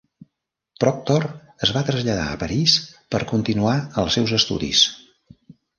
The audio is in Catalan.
Proctor es va traslladar a París per continuar els seus estudis.